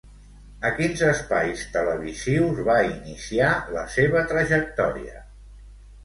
A quins espais televisius va iniciar la seva trajectòria?